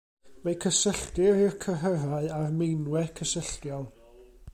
Fe'i cysylltir i'r cyhyrau a'r meinwe cysylltiol.